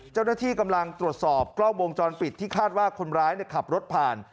เจ้าหน้าที่กำลังตรวจสอบกล้องวงจรปิดที่คาดว่าคนร้ายขับรถผ่าน